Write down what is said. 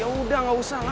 ya udah gak usah lah